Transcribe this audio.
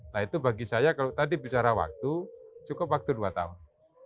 nah itu bagi saya kalau tadi bicara waktu cukup waktu dua tahun